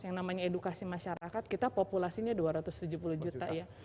yang namanya edukasi masyarakat kita populasinya dua ratus tujuh puluh juta ya